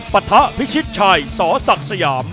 ปะทะพิชิตชัยสอสักสยาม